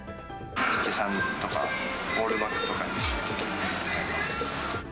七三とかオールバックとかにしたいときに使います。